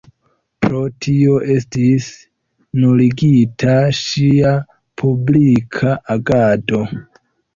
Pro tio estis nuligita ŝia publika agado.